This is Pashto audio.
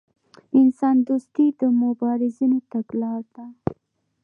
انسان دوستي د مبارزینو تګلاره ده.